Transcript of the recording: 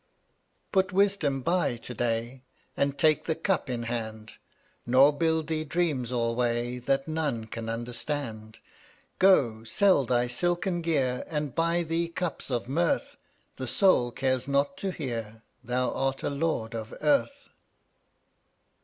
134 Put wisdom by to day And take the cup in hand, Nor build thee dreams alway That none can understand. Go, sell thy silken gear And buy thee cups of mirth, The soul cares not to hear Thou art a lord of earth.